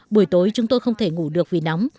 buổi tối chúng tôi không thể ngủ được vì nóng